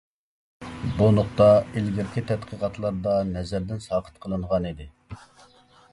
بۇ نۇقتا ئىلگىرىكى تەتقىقاتلاردا نەزەردىن ساقىت قىلىنغانىدى.